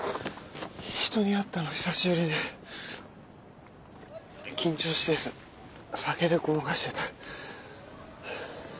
人に会ったの久しぶりで緊張して酒でごまかしてた。